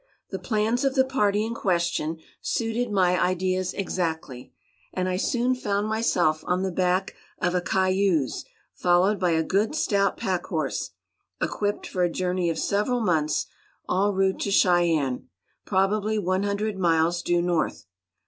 The plans of the party in question suited my ideas exactly, and I soon found myself on the back of a "cayuse," followed by a good stout packhorse, equipped for a journey of several months, en route to Cheyenne, probably one hundred miles due north.